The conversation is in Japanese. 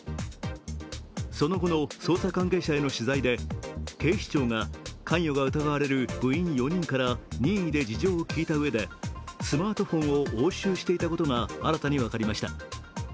その後の捜査関係者への取材で警視庁が関与が疑われる部員４人から任意で事情を聞いたうえでスマートフォンを押収していたことが新たに分かりました。